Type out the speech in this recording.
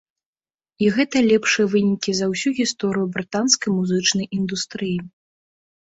І гэта лепшыя вынікі за ўсю гісторыю брытанскай музычнай індустрыі.